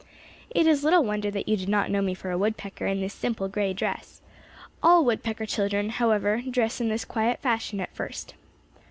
"It is little wonder that you did not know me for a woodpecker in this simple gray dress. All woodpecker children, however, dress in this quiet fashion at first.